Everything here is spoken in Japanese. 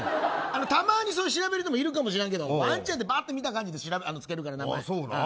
たまに調べる人もいるかもしれんけどワンちゃんってバーっと見た感じでつけるから。